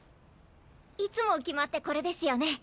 いつも決まってこれですよね？